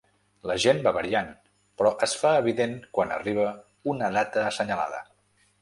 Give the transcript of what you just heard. La gent va variant, però es fa evident quan arriba una data assenyalada.